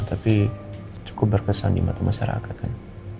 tapi cukup berkesan di mata masyarakat kan